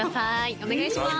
お願いします